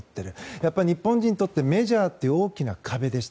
やっぱり日本人にとってメジャーって大きな壁でした。